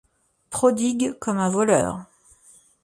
Prodigue comme un voleur !